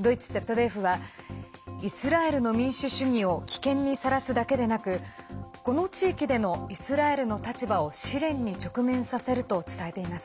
ドイツＺＤＦはイスラエルの民主主義を危険にさらすだけでなくこの地域でのイスラエルの立場を試練に直面させると伝えています。